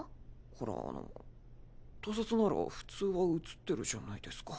ほらあの盗撮なら普通は写ってるじゃないですか。